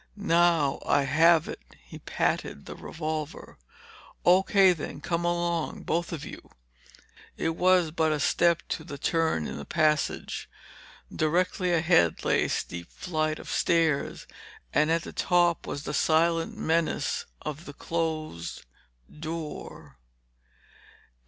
Now I have it." He patted the revolver. "O.K. then, come along, both of you." It was but a step to the turn in the passage. Directly ahead lay a steep flight of stairs. And at the top was the silent menace of the closed door.